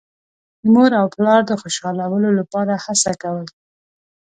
د مور او پلار د خوشحالولو لپاره هڅه کوي.